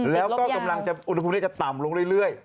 แล้วก็กำลังโอนุพิฤติมันจะต่ำลงเรื่อย